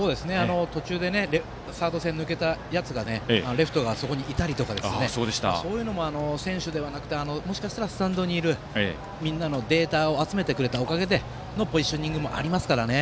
途中でサード線に抜けたやつがレフトがそこにいたりとかそういうのも選手ではなくてスタンドにいるみんなの集めてくれたデータのおかげでポジショニングもありますからね。